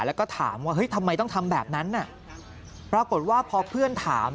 แล้วก็ถามว่าเฮ้ยทำไมต้องทำแบบนั้นน่ะปรากฏว่าพอเพื่อนถาม